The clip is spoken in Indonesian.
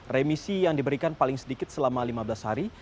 remisi yang diberikan paling sedikit selama lima belas hari